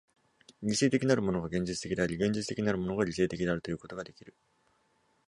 理性的なるものが現実的であり、現実的なるものが理性的であるということができる。